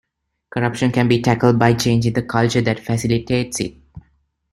Corruption can be tackled by changing the culture that facilitates it.